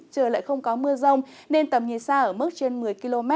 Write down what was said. trời lại không có mưa rông nên tầm nhìn xa ở mức trên một mươi km